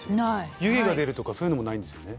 湯気が出るとかそういうのもないんですよね？